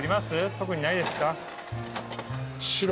特にないですか？